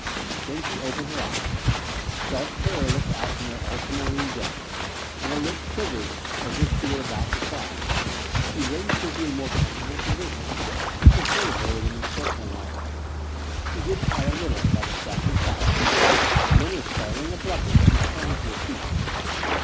Then she opened her eyes. Stark terror looked out from their ultra marine depths, and her lips quivered as if she were about to cry. He raised her to a more comfortable position and supported her with an encircling arm. She did cry a little, like a frightened child. Then, with startling abruptness, she sprang to her feet.